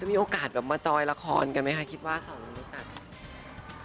มีโอกาสแบบมาจอยละครกันไหมคะคิดว่าสองคนรู้จัก